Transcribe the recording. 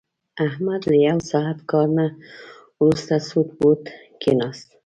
احمد له یو ساعت کار نه ورسته سوټ بوټ کېناست.